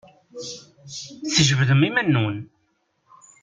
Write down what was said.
Jebdem iman-nwen!